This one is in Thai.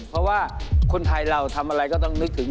เพราะว่าคนไทยเราทำอะไรก็ต้องนึกถึง